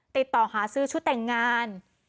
ติดต่อหาซื้อชุดแต่งงาน